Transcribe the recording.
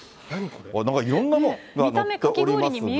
なんかいろんなものが載っておりますが。